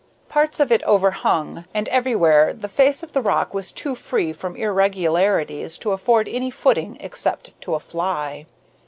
Parts of it overhung, and everywhere the face of the rock was too free from irregularities to afford any footing, except to a fly.